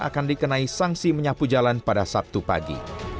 akan dikenai sanksi menyapu jalan pada sabtu pagi